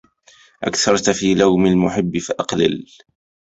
أكثرت في لوم المحب فأقلل